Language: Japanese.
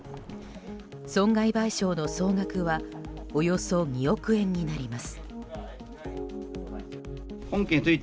損害賠償の総額はおよそ２億円になります。